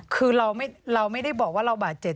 คือเราไม่ได้บอกว่าเราบาดเจ็บ